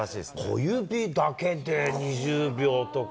小指だけで２０秒とか。